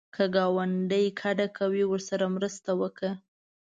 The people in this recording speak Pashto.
که ګاونډی کډه کوي، ورسره مرسته وکړه